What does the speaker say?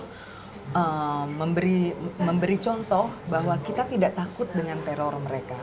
kita harus memberi contoh bahwa kita tidak takut dengan teror mereka